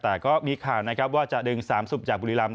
แต่ก็มีข่าวนะครับว่าจะดึง๓ศพจากบุรีรำ